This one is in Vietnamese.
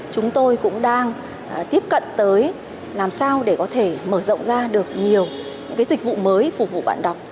chúng tôi cũng đang tiếp cận tới làm sao để có thể mở rộng ra được nhiều những dịch vụ mới phục vụ bạn đọc